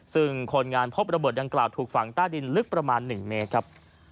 ซึ่งคนงานพบระเบิดดังกล่าวถูกฝังใต้ดินลึกประมาณ๑เมตรครับ